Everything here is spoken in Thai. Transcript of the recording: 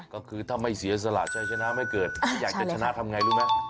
ก็คือถ้าไม่เสียสละชัยชนะไม่เกิดไม่อยากจะชนะทำไงรู้ไหม